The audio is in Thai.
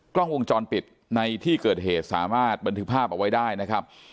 กล้องวงจรปิดในที่เกิดเหตุสามารถบันทึกภาพเอาไว้ได้นะครับ